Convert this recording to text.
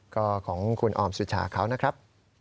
ก็ของคุณออมสุชาเขานะครับ